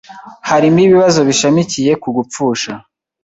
harimo ibibazo bishamikiye ku gupfusha,